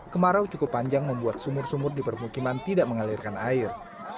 kemarau cukup panjang membuat sumur sumur di permukiman tidak mengalirkan air